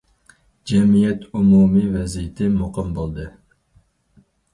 جەمئىيەت ئومۇمىي ۋەزىيىتى مۇقىم بولدى.